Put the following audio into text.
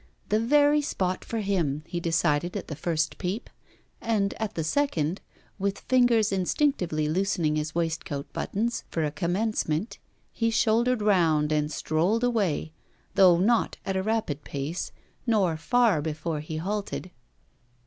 The very spot for him, he decided at the first peep; and at the second, with fingers instinctively loosening his waist coat buttons for a commencement, he shouldered round and strolled away, though not at a rapid pace, nor far before he halted.